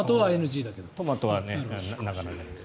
トマトはなかなかです。